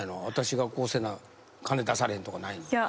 私がこうせな金出されへんとかないの？